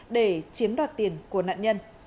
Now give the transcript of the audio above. để chiếm đoạt tiền của nạn nhân